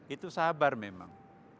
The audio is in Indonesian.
itu sabar memang